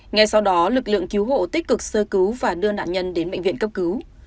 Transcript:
ngay sau đó lực lượng cứu hộ tích cực sơ cứu và đưa nạn nhân đến bệnh viện cấp cứu